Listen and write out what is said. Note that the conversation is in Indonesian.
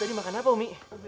umi makan apa tadi